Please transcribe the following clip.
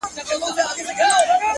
نو دا په ما باندي چا كوډي كړي ـ